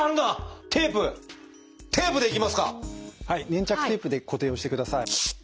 粘着テープで固定をしてください。